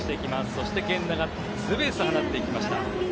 そして源田がツーベースを放っていきました。